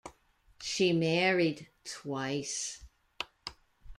She married twice.